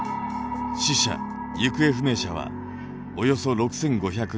死者・行方不明者はおよそ６，５００人。